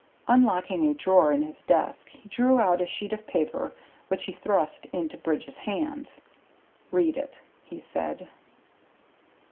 Unlocking a drawer in his desk, he drew out a sheet of paper which he thrust into Bridge's hands. "Read it," he said.